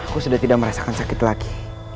aku sudah tidak merasakan sakit lagi